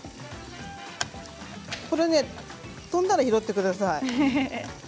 これは飛んだら拾ってください。